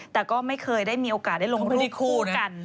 แต่ก็ไม่เคยได้มีโอกาสได้ลงรูปคู่กัน